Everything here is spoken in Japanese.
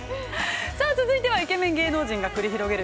◆さあ続いては、イケメン芸能人が繰り広げる